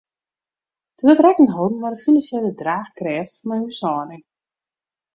Der wurdt rekken holden mei de finansjele draachkrêft fan 'e húshâlding.